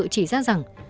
hình sự chỉ ra rằng